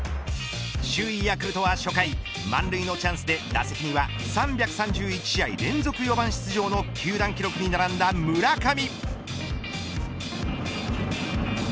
首位ヤクルトは初回満塁のチャンスで打席には３３１試合連続４番出場の球団記録に並んだ村上。